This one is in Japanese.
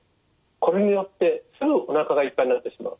これによってすぐおなかがいっぱいになってしまう。